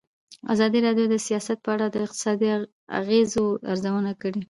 ازادي راډیو د سیاست په اړه د اقتصادي اغېزو ارزونه کړې.